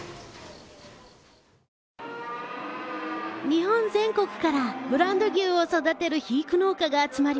日本全国からブランド牛を育てる肥育農家が集まります。